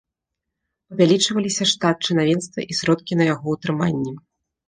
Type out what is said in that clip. Павялічваліся штат чынавенства і сродкі на яго ўтрыманне.